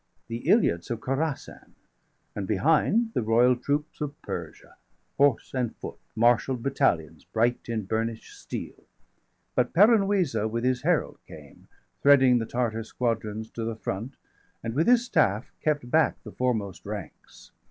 The Ilyats of Khorassan°; and behind, °138 The royal troops of Persia, horse and foot, Marshall'd battalions bright in burnish'd steel. 140 But Peran Wisa with his herald came, Threading the Tartar squadrons to the front, And with his staff kept back the foremost ranks.